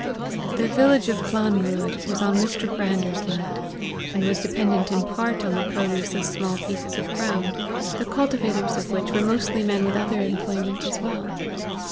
The village of the Clanruadh was on Mr. Brander's land, and was dependent in part on the produce of small pieces of ground, the cultivators of which were mostly men with other employment as well.